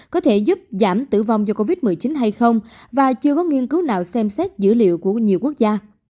có thể giúp giảm tử vong do covid một mươi chín hay không và chưa có nghiên cứu nào xem xét dữ liệu của nhiều quốc gia